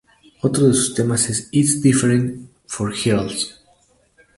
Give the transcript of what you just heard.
Otro de sus temas es "It's Different For Girls".